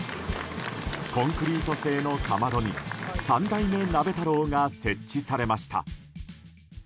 コンクリート製のかまどに３代目鍋太郎が設置されました。